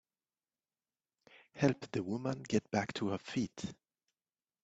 Help the woman get back to her feet.